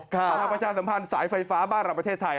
ภาพประชาติสัมพันธ์สายไฟฟ้าบ้านรับประเทศไทย